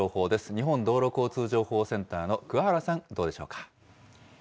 日本道路交通情報センターのくわ原さん、どうでしょうか。